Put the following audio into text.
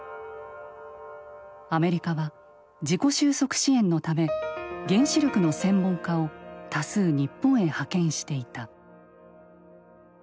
アメリカは事故収束支援のため原子力の専門家を多数日本へ派遣していた。